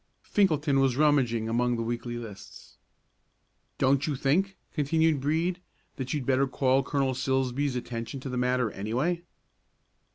Finkelton was rummaging among the weekly lists. "Don't you think," continued Brede, "that you'd better call Colonel Silsbee's attention to the matter, anyway?"